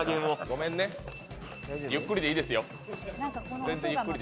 全然ゆっくりでいいですよ。